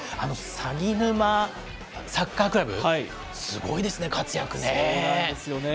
さぎぬまサッカークラブ、すごいですね、活躍ね。